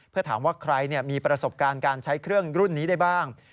เพื่อถามว่าใครมีประสบการณ์การใช้เครื่องรุ่นนี้ได้บ้าง